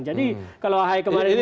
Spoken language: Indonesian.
jadi kalau ahai kemarin